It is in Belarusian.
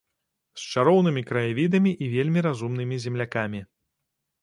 З чароўнымі краявідамі і вельмі разумнымі землякамі.